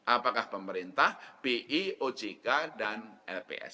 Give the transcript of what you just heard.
apakah pemerintah bi ojk dan lps